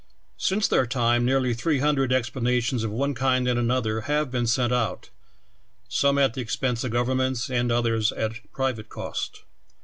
Since their time nearl}^ three hundred expeditions of one kind and another have been sent out, some at the expense of governments and others at private cost.